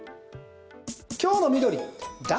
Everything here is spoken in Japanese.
今日の緑誰？